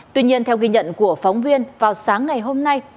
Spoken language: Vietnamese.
tuy nhiên theo ghi nhận của phóng viên vào sáng ngày hôm nay